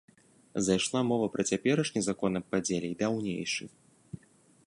Зайшла мова пра цяперашні закон аб падзеле й даўнейшы.